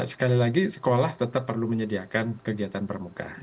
sekali lagi sekolah tetap perlu menyediakan kegiatan permuka